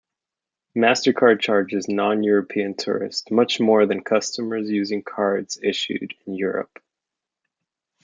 MasterCard charges non-European tourists much more than customers using cards issued in Europe.